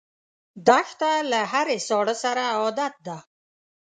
دښته له هرې ساړه سره عادت ده.